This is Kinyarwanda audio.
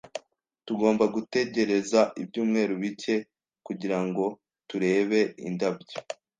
Tugomba gutegereza ibyumweru bike kugirango turebe indabyo.